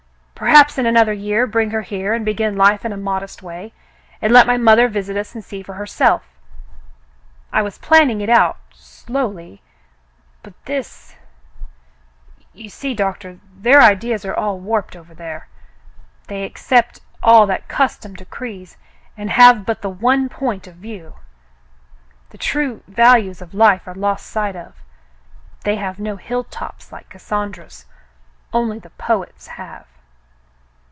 Perhaps in another year bring her here and begin life in a modest way, and let my mother visit us and see for herself. I was planning it out, slowly — but this — You see. Doctor, their ideas are all warped over there. They accept all that cus tom decrees and have but the one point of view. The true values of life are lost sight of. They have no hill tops like Cassandra's. Only the poets have."